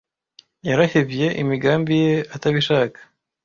Yarahevye imigambi ye atabishaka.